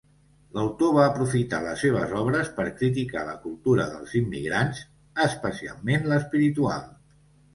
L'autor va aprofitar les seves obres per criticar la cultura dels immigrants, especialment l'espiritual.